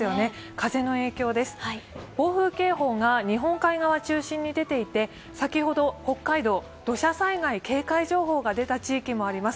風の影響です、暴風警報が日本海側を中心に出ていて先ほど北海道、土砂災害警戒情報が出た地域もあります。